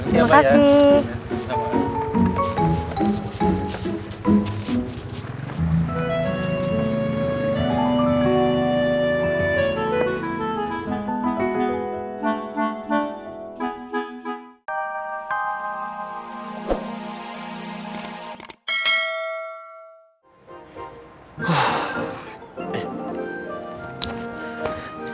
ya makasih ya pak ya